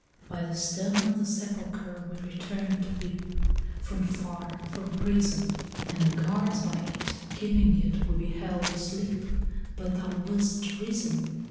By the stone of the sepulchre we returned to weep, From far, from prison; And the guards by it keeping it we beheld asleep, But thou wast risen.